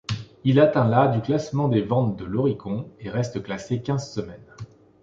Il atteint la du classement des ventes de l'Oricon, et reste classé quinze semaines.